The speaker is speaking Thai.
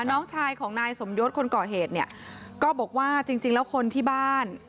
น้องชายของนายสมยศคนก่อเหตุเนี่ยก็บอกว่าจริงจริงแล้วคนที่บ้าน